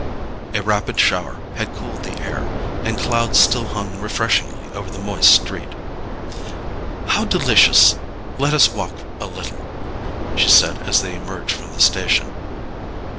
A rapid shower had cooled the air, and clouds still hung refreshingly over the moist street. "How delicious! Let us walk a little," she said as they emerged from the station.